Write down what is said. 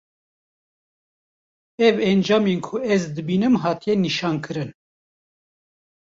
ev encamên ku ez dibînim hatiye nîşankirin;